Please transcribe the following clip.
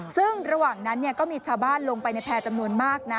ซึ่งระหว่างนั้นก็มีชาวบ้านลงไปในแพร่จำนวนมากนะ